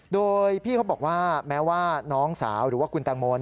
โดยพี่เขาบอกว่าแม้ว่าน้องสาวหรือว่าคุณแตงโม